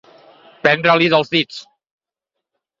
Prendre-li dels dits.